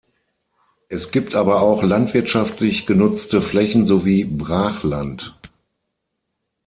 Es gibt aber auch landwirtschaftlich genutzte Flächen sowie Brachland.